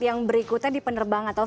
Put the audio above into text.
yang berikutnya di penerbangan atau